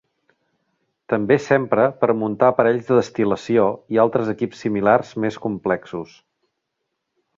També s'empra per muntar aparells de destil·lació i altres equips similars més complexos.